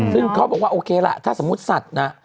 ซึ่งเขาบอกว่าโอเคล่ะถ้าสมมุติสัตว์นะ